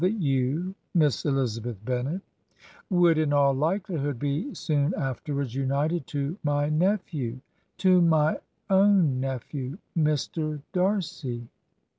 that you, Miss Elizabeth Bennet, woiild^ in all likelihood, be soon afterwards united to my nephew, to my own nephew, Mr. Darcy.